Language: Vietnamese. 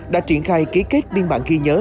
đã triển khai ký kết biên bản ghi nhớ